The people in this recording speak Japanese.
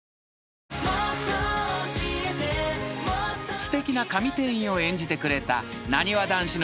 ［すてきな神店員を演じてくれたなにわ男子の］